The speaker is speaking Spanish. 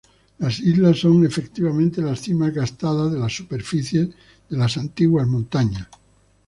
Las islas son efectivamente las cimas gastadas de la superficie de las antiguas montañas.